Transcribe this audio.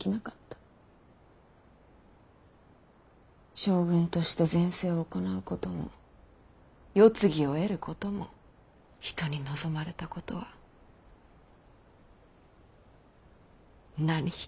将軍として善政を行うことも世継ぎを得ることも人に望まれたことは何一つできなかった。